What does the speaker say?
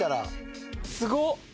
すごっ！